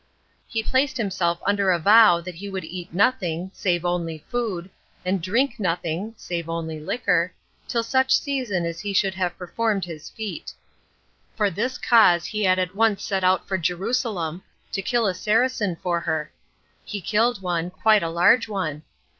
He placed himself under a vow that he would eat nothing, save only food, and drink nothing, save only liquor, till such season as he should have performed his feat. For this cause he had at once set out for Jerusalem to kill a Saracen for her. He killed one, quite a large one.